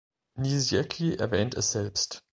Niesiecki erwähnt es selbst.